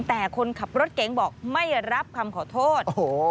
แต่คนขับรถเก๋งบอกไม่รับคำขอโทษ